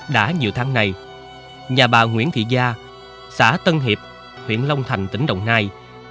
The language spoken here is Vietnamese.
đã nhiều tháng này nhà bà nguyễn thị gia xã tân hiệp huyện long thành tỉnh đồng nai